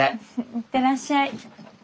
行ってらっしゃい。